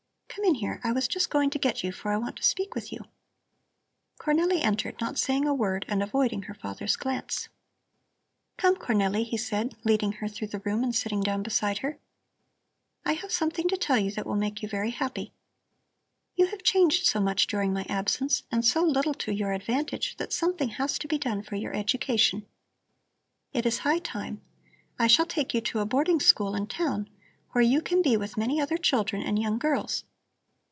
Come in here! I was just going to get you, for I want to speak with you." Cornelli entered, not saying a word and avoiding her father's glance. "Come, Cornelli," he said, leading her through the room and sitting down beside her. "I have something to tell you that will make you very happy. You have changed so much during my absence and so little to your advantage that something has to be done for your education. It is high time. I shall take you to a boarding school in town, where you can be with many other children and young girls.